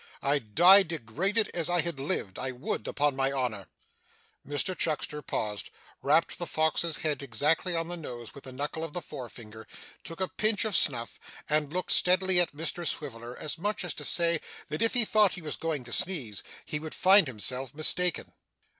I'd die degraded, as I had lived. I would upon my honour.' Mr Chuckster paused, rapped the fox's head exactly on the nose with the knuckle of the fore finger, took a pinch of snuff, and looked steadily at Mr Swiveller, as much as to say that if he thought he was going to sneeze, he would find himself mistaken.